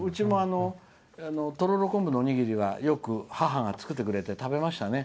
とろろ昆布のおにぎりは母がよく作ってくれて食べましたね。